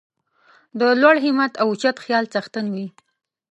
د لوړ همت او اوچت خیال څښتن وي.